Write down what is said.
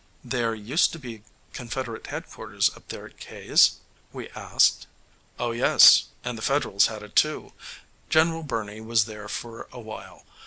"There used to be Confederate head quarters up there at K 's?" we asked. "Oh yes, and the Federals had it too. General Birney was there for a while.